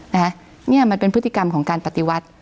เนี่ยมันเป็นพฤติกรรมของการปฏิวัติ